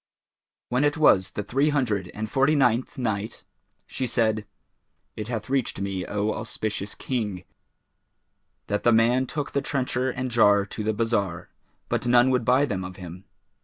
When it was the Three Hundred and Forty ninth Night, She said, It hath reached me, O auspicious King, that the man took the trencher and jar to the bazar, but none would buy them of him.